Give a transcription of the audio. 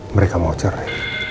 mereka mau curai